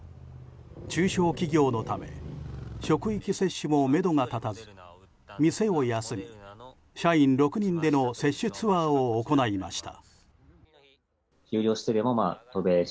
中小企業のため職域接種もめどが立たず店を休み、社員６人での接種ツアーを行いました。